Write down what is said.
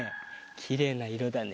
きれいないろだね。